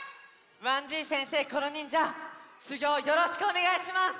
わんじいせんせいコロにんじゃしゅぎょうよろしくおねがいします。